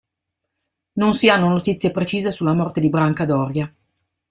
Non si hanno notizie precise sulla morte di Branca Doria.